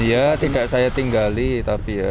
iya tidak saya tinggali tapi ya